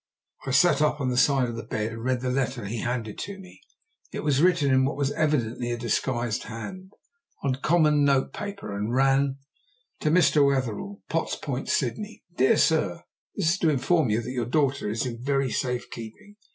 I sat up on the side of the bed and read the letter he handed to me. It was written in what was evidently a disguised hand, on common note paper, and ran: "TO MR. WETHERELL, "POTTS POINT, SYDNEY "DEAR SIR, "This is to inform you that your daughter is in very safe keeping.